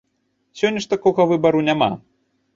Сёння ж такога выбару няма.